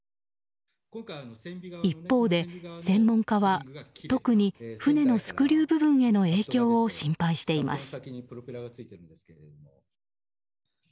一方で、専門家は特に船のスクリュー部分への影響を心配しています。